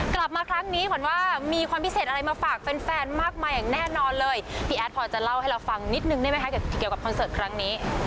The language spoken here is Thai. กลับมาครั้งนี้ขวัญว่ามีความพิเศษอะไรมาฝากแฟนมากมายอย่างแน่นอนเลยพี่แอดพอจะเล่าให้เราฟังนิดนึงได้ไหมคะเกี่ยวกับคอนเสิร์ตครั้งนี้